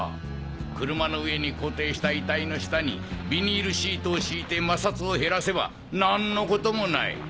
車の上に固定した遺体の下にビニールシートを敷いて摩擦を減らせば何のこともない。